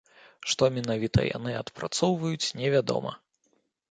Што менавіта яны адпрацоўваюць, невядома.